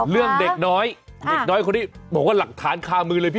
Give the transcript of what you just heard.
เรื่องเนคน้อยเนคน้อยคนที่ผมควรหลักฐานคาวมือเลย